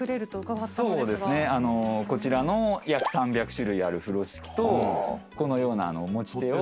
そうですねこちらの約３００種類ある風呂敷とこのような持ち手を。